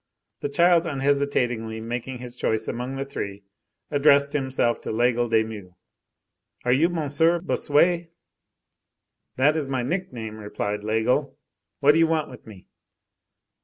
The child unhesitatingly making his choice among the three, addressed himself to Laigle de Meaux. "Are you Monsieur Bossuet?" "That is my nickname," replied Laigle. "What do you want with me?"